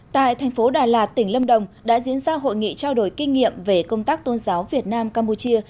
tại thành phố đà lạt tỉnh lâm đồng đã diễn ra hội nghị trao đổi kinh nghiệm về công tác tôn giáo việt nam campuchia